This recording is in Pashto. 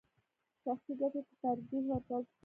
شخصي ګټو ته ترجیح ورکول فساد دی.